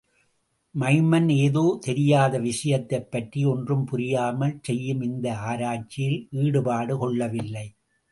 Maiman எதோ தெரியாத விஷயத்தைப்பற்றி ஒன்றும் புரியாமல் செய்யும் இந்த ஆராய்ச்சியில் ஈடுபாடு கொள்ளவில்லை.